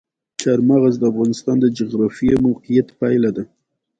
چار مغز د افغانستان د جغرافیایي موقیعت پایله ده.